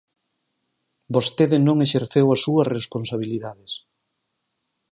"Vostede non exerceu as súas responsabilidades".